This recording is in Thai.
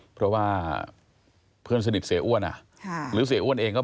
เพราะว่าเพื่อนสนิทเสียอ้วนหรือเสียอ้วนเองก็